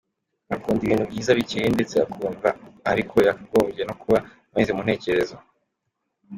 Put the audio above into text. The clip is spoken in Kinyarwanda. Akunda ibintu byiza bikeye ndetse akumva ariko yakagombye no kuba ameze mu ntekerezo.